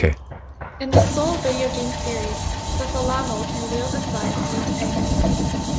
In the "Soul" video game series, Zasalamel can wield a Scythe named Ankou.